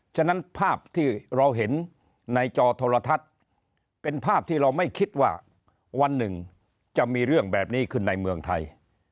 ฉะนั้นภาพที่เราเห็นในจอโทรทัศน์เป็นภาพที่เราไม่คิดว่าวันหนึ่งจะมีเรื่องแบบนี้ขึ้นในเมืองไทย